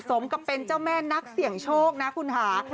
สมกับเป็นเจ้าแม่นักเสี่ยงโชคนะคุณค่ะ